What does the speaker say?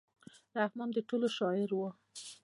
رحمان د ټولو شاعر و.